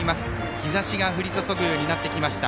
日ざしが降り注ぐようになってきました。